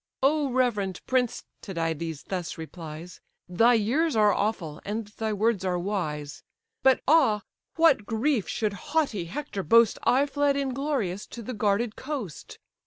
"O reverend prince! (Tydides thus replies) Thy years are awful, and thy words are wise. But ah, what grief! should haughty Hector boast I fled inglorious to the guarded coast.